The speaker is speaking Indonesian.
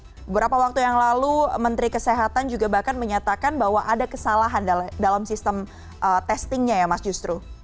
beberapa waktu yang lalu menteri kesehatan juga bahkan menyatakan bahwa ada kesalahan dalam sistem testingnya ya mas justru